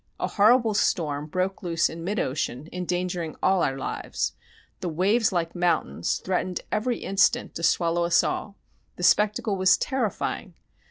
A horrible storm broke loose in mid ocean, endangering all our lives.... The waves, like mountains, threatened every instant to swallow us all; the spectacle was terrifying.